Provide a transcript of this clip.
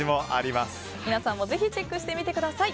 皆さんもぜひチェックしてみてください。